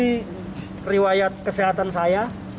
bukti riwayat kesehatan saya